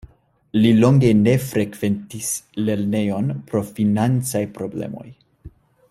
Li longe ne frekventis lernejon pro financaj problemoj.